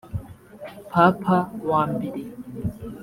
papa wa mbere